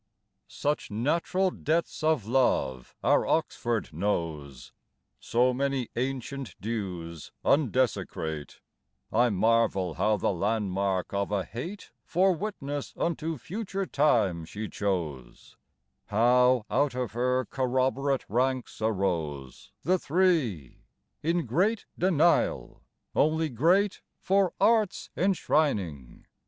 Such natural debts of love our Oxford knows, So many ancient dues undesecrate, I marvel how the landmark of a hate For witness unto future time she chose; How out of her corroborate ranks arose The three, in great denial only great, For Art's enshrining!